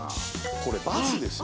これバスですよ。